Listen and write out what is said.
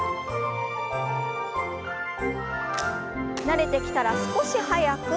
慣れてきたら少し速く。